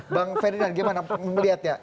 bang ferdinand gimana melihatnya